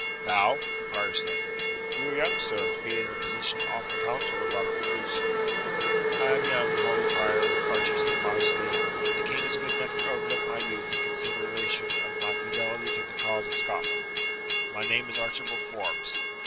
"Thou?" the prior said; "you are young, sir, to be in a position to offer counsel to Robert Bruce." "I am young, holy prior," Archie said modestly; "but the king is good enough to overlook my youth in consideration of my fidelity to the cause of Scotland. My name is Archibald Forbes."